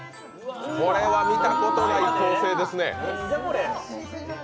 これは見たことない構成ですね。